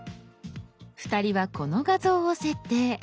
２人はこの画像を設定。